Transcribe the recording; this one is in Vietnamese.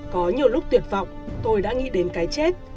có nhiều lúc tuyệt vọng tôi đã nghĩ đến cái chết